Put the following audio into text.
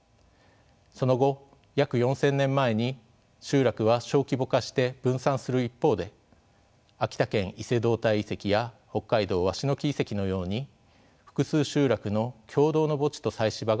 その後約４，０００年前に集落は小規模化して分散する一方で秋田県伊勢堂岱遺跡や北海道鷲ノ木遺跡のように複数集落の共同の墓地と祭祀場が作られます。